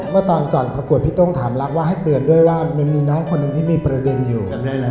เมื่อตอนก่อนพี่ต้องถามแล้วมาให้เตือนด้วยว่ามีน้องคนนึงที่มีประเด็นอยู่